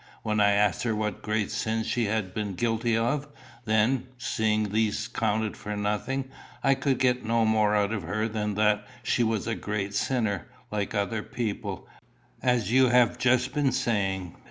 When I asked her what great sins she had been guilty of, then, seeing these counted for nothing, I could get no more out of her than that she was a great sinner, like other people, as you have just been saying."